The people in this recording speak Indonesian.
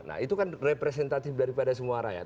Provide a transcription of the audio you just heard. nah itu kan representatif daripada semua rakyat